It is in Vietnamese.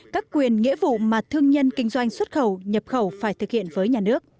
các quyền nghĩa vụ mà thương nhân kinh doanh xuất khẩu nhập khẩu phải thực hiện với nhà nước